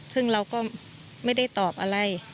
ซึ่งเราก็ไม่ได้ตอบอะไร